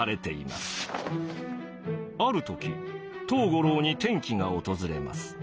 ある時藤五郎に転機が訪れます。